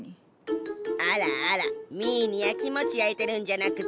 あらあらミーにやきもち焼いてるんじゃなくて？